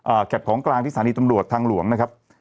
เอ่อแก่บของกลางทิศธานีตำรวจทางหลวงนะครับ